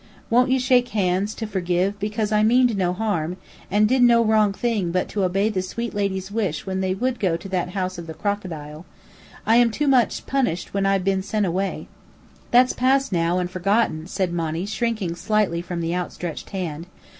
Won't you shake hands, to forgive, because I meaned no harm, and did no wrong thing but obey the sweet ladies' wish when they would go to that House of the Crocodile. I too much punished when I been sent away." "That's past now, and forgotten," said Monny, shrinking slightly from the outstretched hand.